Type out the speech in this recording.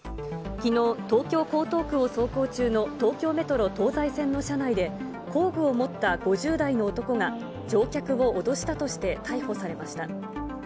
きのう、東京・江東区を走行中の東京メトロ東西線の車内で、工具を持った５０代の男が乗客を脅したとして逮捕されました。